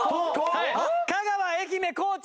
香川愛媛高知